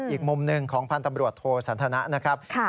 อีกมุมหนึ่งของพันธ์ตำรวจโทสันทนะนะครับ